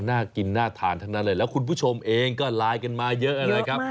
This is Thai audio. น่ากินน่าทานทั้งนั้นเลยแล้วคุณผู้ชมเองก็ไลน์กันมาเยอะเลยครับ